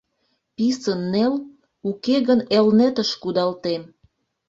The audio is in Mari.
Писын нел, уке гын Элнетыш кудалтем.